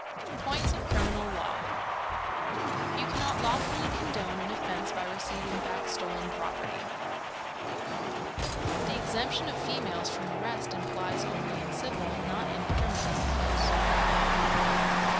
POINTS OF CRIMINAL LAW. You cannot lawfully condone an offence by receiving back stolen property, The exemption of females from arrest applies only in civil, not in criminal matters.